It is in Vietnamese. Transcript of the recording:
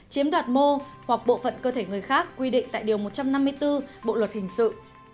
chiếm đoạt mô hoặc bộ phận cơ thể người khác quy định tại điều một trăm năm mươi bốn bộ luật hình sự